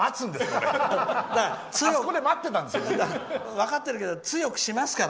分かってるけど強くしますから。